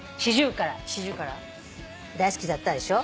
大好きだったでしょ。